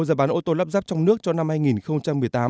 giá bán ô tô lắp ráp trong nước cho năm hai nghìn một mươi tám